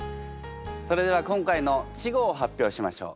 それでは今回の稚語を発表しましょう。